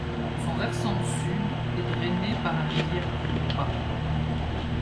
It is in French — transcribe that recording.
Son versant sud est drainé par la rivière Krupa.